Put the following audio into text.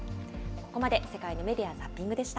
ここまで世界のメディア・ザッピングでした。